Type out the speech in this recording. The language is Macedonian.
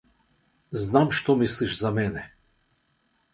Знам што мислиш за мене.